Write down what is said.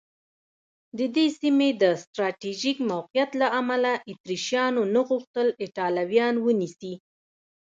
د دې سیمې د سټراټېژیک موقعیت له امله اتریشیانو نه غوښتل ایټالویان ونیسي.